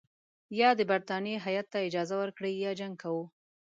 یا د برټانیې هیات ته اجازه ورکړئ یا جنګ کوو.